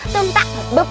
tum tak bup